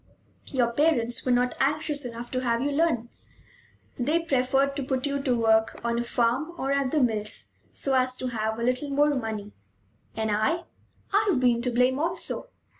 "Your parents were not anxious enough to have you learn. They preferred to put you to work on a farm or at the mills, so as to have a little more money. And I? I've been to blame also.